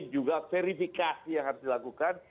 juga verifikasi yang harus dilakukan